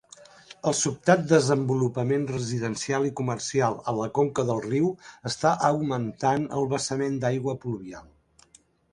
El sobtat desenvolupament residencial i comercial a la conca del riu està augmentant el vessament d'aigua pluvial.